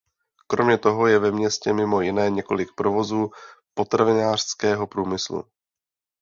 Kromě toho je ve městě mimo jiné několik provozů potravinářského průmyslu.